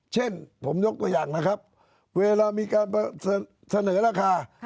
เช่นผมยกตัวอย่างนะครับเวลามีการเสนอราคา